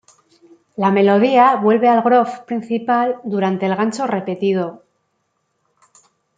La melodía vuelve al "groove" principal durante el gancho repetido.